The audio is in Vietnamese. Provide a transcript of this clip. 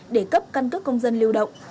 để cấp căn cước công dân lưu động